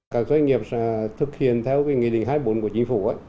các doanh nghiệp sẽ thực hiện theo nghị định hai mươi bốn của chính phủ